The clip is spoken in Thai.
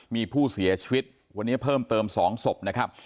มีผู้เสียชีวิตวันนี้เพิ่มเติม๒ศพนะครับ